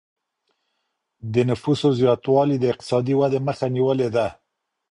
د نفوسو زياتوالی د اقتصادي ودي مخه نيولې ده.